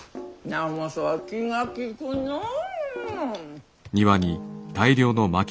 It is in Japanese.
直政は気が利くのう。